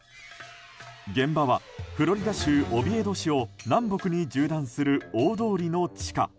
現場はフロリダ州オビエド市を南北に縦断する大通りの地下。